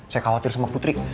saya khawatir sama putri